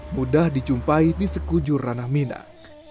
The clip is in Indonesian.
mudah dijumpai di sekujur ranah minang